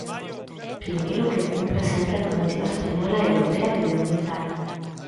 Primeiro, que cumpra sempre a normativa española e europea medioambiental.